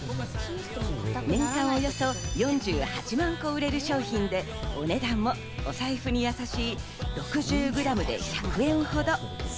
年間およそ４８万個売れる商品で、お値段もお財布にやさしい、６０グラムで１００円ほど。